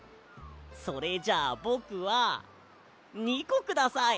それじゃあぼくは２こください。